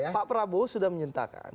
pak prabowo sudah menyatakan